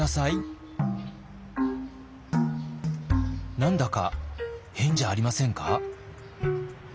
何だか変じゃありませんか？